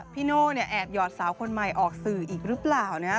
พี่โน่เนี่ยแอบหอดสาวคนใหม่ออกสื่ออีกหรือเปล่านะครับ